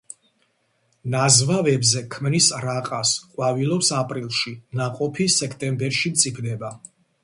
ნაზვავებზე ქმნის რაყას, ყვავილობს აპრილში, ნაყოფი სექტემბერში მწიფდება.